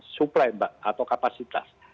supply atau kapasitas